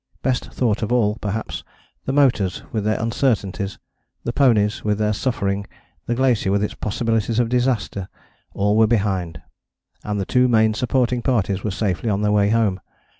Best thought of all, perhaps, the motors with their uncertainties, the ponies with their suffering, the glacier with its possibilities of disaster, all were behind: and the two main supporting parties were safely on their way home.